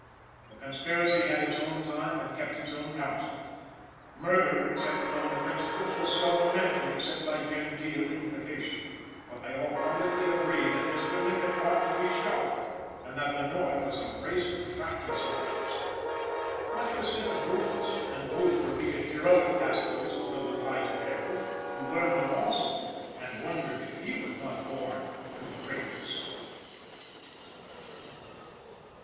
The conspiracy had its own time and kept its own counsel. Murder except among the principals, was seldom mentioned except by genteel implication. But they all publicly agreed that Mr. Lincoln ought to be shot, and that the North was a race of fratricides. Much was said of Brutus, and Booth repeated heroic passages to the delight of Harold, who learned them also, and wondered if he was not born to greatness.